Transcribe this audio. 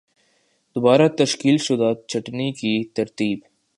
دوبارہ تشکیل شدہ چھٹنی کی ترتیب